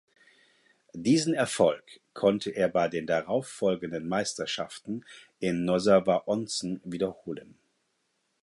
Diesen Erfolg konnte er bei den darauffolgenden Meisterschaften in Nozawa Onsen wiederholen.